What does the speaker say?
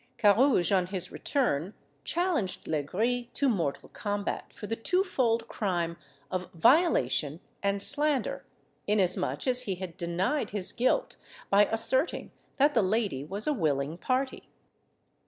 Carrouges, on his return, challenged Legris to mortal combat for the twofold crime of violation and slander, inasmuch as he had denied his guilt by asserting that the lady was a willing party.